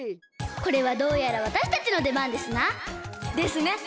これはどうやらわたしたちのでばんですな！ですね！